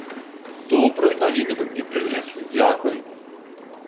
Добрую навіну вы мне прынеслі, дзякуй!